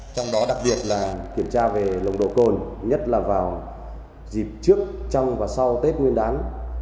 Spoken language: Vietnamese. trong đó đặc biệt là kiểm tra về nồng độ cồn nhất là vào dịp trước trong và sau tết nguyên đán